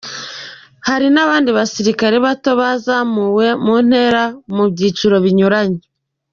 Hari n’abandi basirikare bato bazamuwe mu ntera ku byiciro binyuranye.